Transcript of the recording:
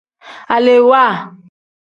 Alewaa.